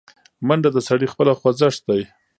منډه د سړي خپله خوځښت ده